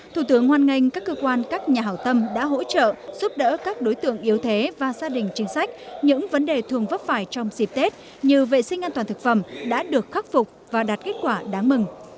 thủ tướng hoan nghênh các cơ quan các nhà hảo tâm đã hỗ trợ giúp đỡ các đối tượng yếu thế và gia đình chính sách những vấn đề thường vấp phải trong dịp tết như vệ sinh an toàn thực phẩm đã được khắc phục và đạt kết quả đáng mừng